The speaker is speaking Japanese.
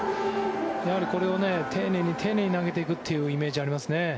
やはり、これを丁寧に丁寧に投げていくというイメージがありますね。